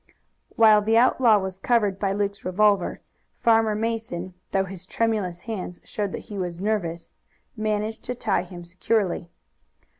While the outlaw was covered by Luke's revolver Farmer Mason, though his tremulous hands showed that he was nervous, managed to tie him securely.